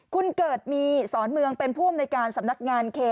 คุณเกิดมีสอนเมืองเป็นผู้อำนวยการสำนักงานเขต